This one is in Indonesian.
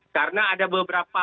karena ada beberapa